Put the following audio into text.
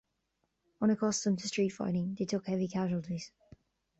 Unaccustomed to street fighting, they took heavy casualties.